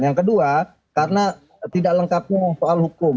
yang kedua karena tidak lengkapnya soal hukum